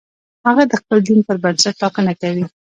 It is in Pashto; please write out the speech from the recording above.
هغه د خپل دین پر بنسټ ټاکنه کوي.